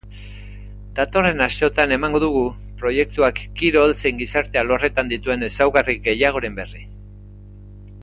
Datozen asteotan emango dugu proiektuak kirol zein gizarte alorretan dituen ezaugarri gehiagoren berri.